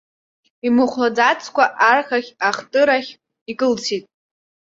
Имыхәлацкәа архахь, ахтырахь икылсит.